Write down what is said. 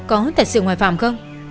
có thật sự ngoại phạm không